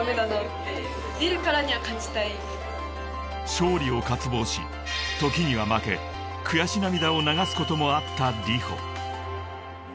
［勝利を渇望し時には負け悔し涙を流すこともあったＲｉｈｏ］